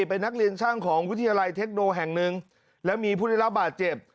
เป็นนักเรียนช่างของวิทยาลัยเทคโนแห่งหนึ่งแล้วมีผู้ได้รับบาดเจ็บ